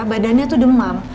badannya tuh demam